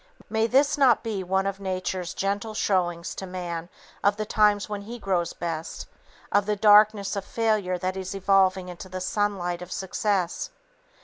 May this not be one of Nature's gentle showings to man of the times when he grows best, of the darkness of failure that is evolving into the sunlight of success.